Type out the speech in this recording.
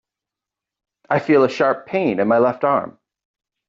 I feel a sharp pain in my left arm.